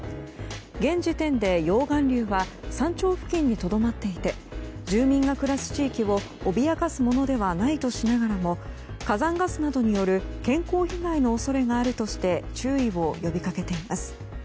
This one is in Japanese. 現時点で溶岩流は山頂付近にとどまっていて住民が暮らす地域を脅かすものではないとしながらも火山ガスなどによる健康被害の恐れがあるとして注意を呼びかけています。